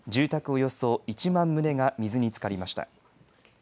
およそ１万棟が水につかりました。